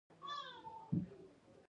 چې دا ډله څنگه، کله او چېرته رامنځته شوه